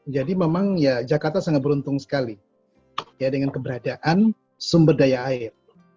jadi memang jakarta sangat beruntung sekali dengan keberadaan sumber daya air